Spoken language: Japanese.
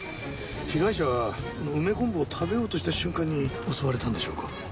被害者は梅昆布を食べようとした瞬間に襲われたんでしょうか？